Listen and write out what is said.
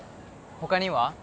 他には？